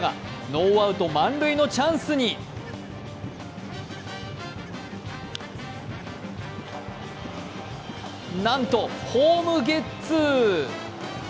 ノーアウト満塁のチャンスになんとホームゲッツー。